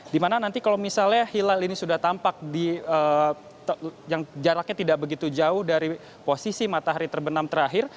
dimana nanti kalau misalnya hilal ini sudah tampak jaraknya tidak begitu jauh dari posisi matahari terbenam terakhir